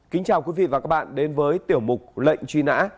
kính chào quý vị và các bạn đến với tiểu mục lệnh truy nã